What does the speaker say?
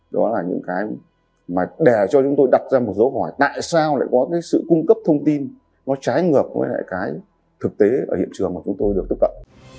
đó là những cái mà để cho chúng tôi đặt ra một dấu hỏi tại sao lại có cái sự cung cấp thông tin nó trái ngược với lại cái thực tế ở hiện trường mà chúng tôi được tiếp cận